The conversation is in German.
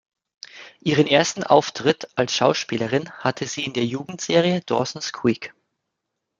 Ihren ersten Auftritt als Schauspielerin hatte sie in der Jugendserie "Dawson’s Creek".